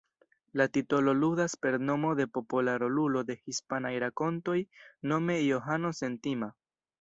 La titolo ludas per nomo de popola rolulo de hispanaj rakontoj, nome Johano Sentima.